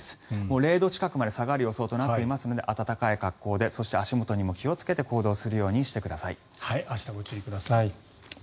０度近くまで下がる予想となっていますので暖かい格好でそして足元にも気をつけて明日、ご注意ください。